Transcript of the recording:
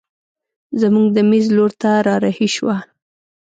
زموږ د مېز لور ته رارهي شوه.